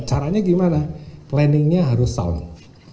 caranya gimana planningnya harus sound